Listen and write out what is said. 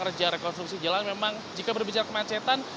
reja rekonstruksi jalan memang jika berbicara kemacetan